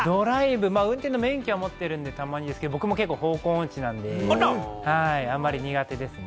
運転の免許は持ってるんでたまに行くんですけど、僕も方向音痴なので、あんまり苦手ですね。